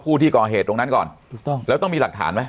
ที่ก่อเหตุตรงนั้นก่อนถูกต้องแล้วต้องมีหลักฐานไหม